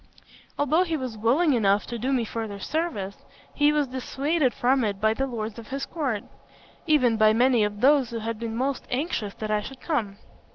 Although he was willing enough to do me further service, he was dissuaded from it by the lords of his court; even by many of those who had been most anxious that I should come.